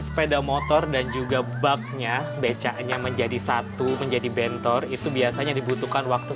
sepeda motor dan juga baknya becaknya menjadi satu menjadi bentor itu biasanya dibutuhkan waktu